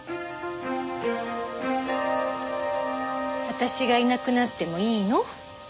私がいなくなってもいいの？